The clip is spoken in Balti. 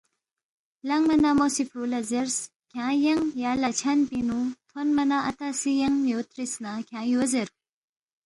لنگما نہ مو سی فُرو لہ زیرس، کھیانگ ینگ یا لا چھن پِنگ نُو تھونما نہ اتا سی ینگ یو تِرس نہ، کھیانگ یو زیر